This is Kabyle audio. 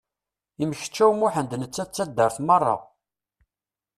Yemceččaw Muḥend netta d taddart merra!